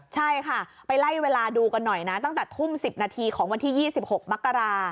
ใช่ค่ะไปไล่เวลาดูกันหน่อยนะตั้งแต่ทุ่ม๑๐นาทีของวันที่๒๖มกรา